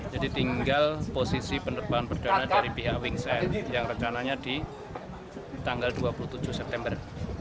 jadi tinggal posisi penerbangan perdana dari pihak wings air yang rencananya di tanggal dua puluh tujuh september